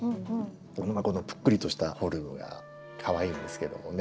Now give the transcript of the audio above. このぷっくりとしたフォルムがかわいいんですけどもね。